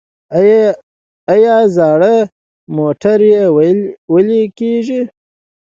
آیا زاړه موټرې ویلې کیږي؟